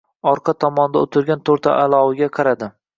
Orqa tomonda o’tirgan to’rtaloviga qaradi.